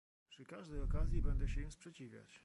Przy każdej okazji będę się im sprzeciwiać